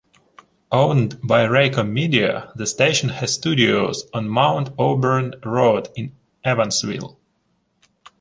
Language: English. Owned by Raycom Media, the station has studios on Mount Auburn Road in Evansville.